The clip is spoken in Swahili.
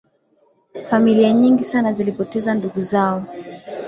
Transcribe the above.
familia nyingi sana zilipoteza ndugu zao